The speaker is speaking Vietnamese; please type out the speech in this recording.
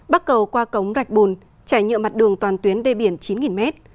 bắt cầu qua cống rạch bùn chảy nhựa mặt đường toàn tuyến đê biển chín mét